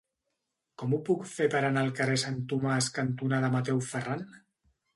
Com ho puc fer per anar al carrer Sant Tomàs cantonada Mateu Ferran?